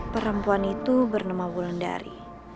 perempuan itu bernama wulandari